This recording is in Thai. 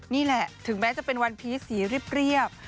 นี่แหละถึงแม้จะเป็นวันพีชสีเรียบ